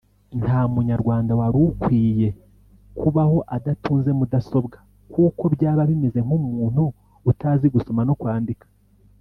nta munyarwanda wari ukwiye kubaho adatunze mudasobwa kuko byaba bimeze nk’umuntu utazi gusoma no kwandika